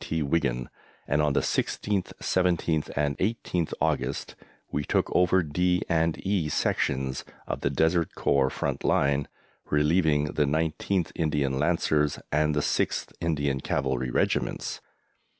T. Wigan, and on the 16th, 17th, and 18th August we took over D and E sections of the Desert Corps front line, relieving the 19th Indian Lancers and the 6th Indian Cavalry Regiments.